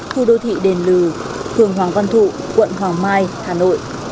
khu đô thị đền lừ phường hoàng văn thụ quận hoàng mai hà nội